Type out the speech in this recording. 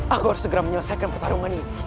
aku harus segera menyelesaikan pertarungan ini